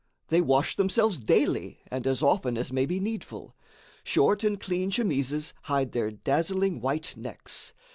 They wash themselves daily and as often as may be needful. Short and clean chemises hide their dazzling white necks.